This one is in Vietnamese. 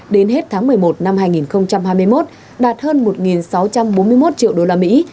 đến hết tháng một mươi một năm hai nghìn hai mươi một đạt hơn một sáu trăm bốn mươi một triệu đô la mỹ